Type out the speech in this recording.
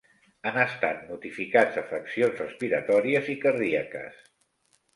Han estat notificats afeccions respiratòries i cardíaques.